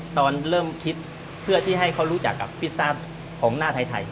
ตอนเริ่มคิดเพื่อที่ให้เขารู้จักกับพิซซ่าของหน้าไทย